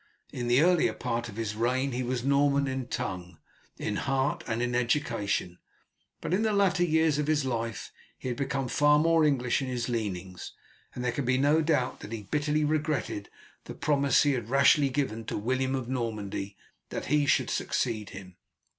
In the earlier part of his reign he was Norman in tongue, in heart, and in education; but in the latter years of his life he had become far more English in his leanings, and there can be no doubt that he bitterly regretted the promise he had rashly given to William of Normandy that he should succeed him.